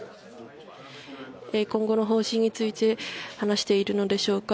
今後の方針について話しているのでしょうか